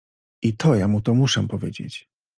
I to ja mu to muszę powiedzieć.